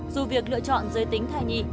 dù việc lựa chọn giới tính thai nhi